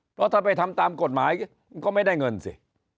เพราะถ้าไปทำตามกฎหมายมันก็ไม่ได้เงินสิ